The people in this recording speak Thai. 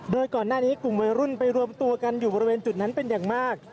โดยก่อนหน้านี้กลุ่มวัยรุ่นไปรวมตัวกันอยู่บริเวณจุดนั้นเป็นอย่างมาก